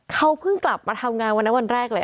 เขาเพิ่งกลับมาทำงานวันนั้นวันแรกเลย